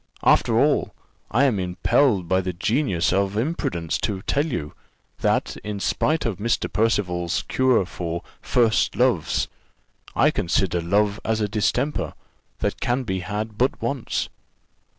After all, I am impelled by the genius of imprudence to tell you, that, in spite of Mr. Percival's cure for first loves, I consider love as a distemper that can be had but once."